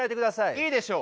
いいでしょう。